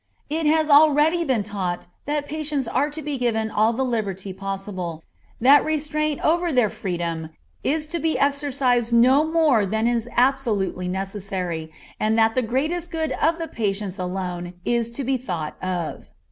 It has already been taught that patients are to be given all the liberty possible, that restraint over their freedom is to be exercised no more than is absolutely necessary, and that the greatest good of the patients alone is to be thought of.